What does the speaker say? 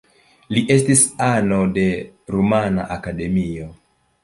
Li estis ano de Rumana Akademio.